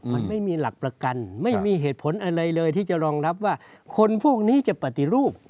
มันไม่มีหลักประกันไม่มีเหตุผลอะไรเลยที่จะรองรับว่าคนพวกนี้จะปฏิรูป